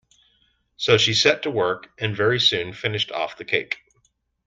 So she set to work, and very soon finished off the cake.